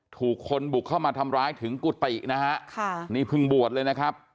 ถูกคนบุกเข้ามาทำร้ายถึงกุฏินะฮะค่ะนี่เพิ่งบวชเลยนะครับ